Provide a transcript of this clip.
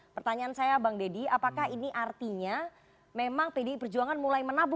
pertanyaan saya bang deddy apakah ini artinya memang pdi perjuangan mulai menabuh